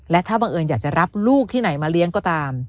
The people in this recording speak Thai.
และถ้าบังเอิญอยากจะรับลูกที่ไหนมาเลี้ยงก็ตาม